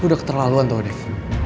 lo udah keterlaluan tuh deh